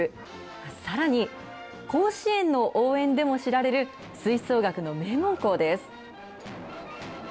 さらに、甲子園の応援でも知られる吹奏楽の名門校です。